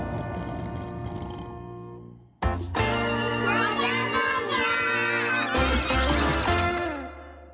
もじゃもじゃ！